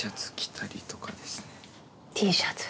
「Ｔシャツで？」